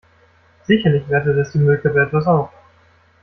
Sicherlich wertet es die Müllkippe etwas auf.